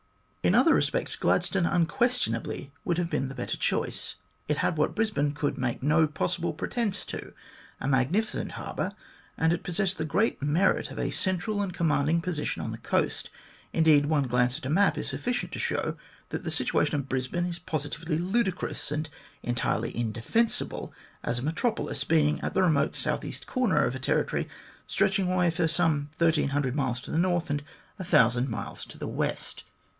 In other respects, Gladstone unquestionably would have been the better choice. It had what Brisbane could make no possible pretence to a magnificent harbour, and it possessed the great merit of a central and commanding position on the coast. Indeed, one glance at the map is sufficient to show that the situation of Brisbane is positively ludicrous and entirely indefensible as a metropolis, being at the remote south eastern corner of a territory stretching away for some 1300 miles to the north and 1000 miles to the west.